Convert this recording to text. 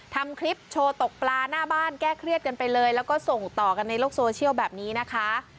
ทำคลิปโชว์ตกปลาหน้าบ้านแก้เครียดกันไปเลยแล้วก็ส่งต่อกันในโลกโซเชียลแบบนี้นะคะ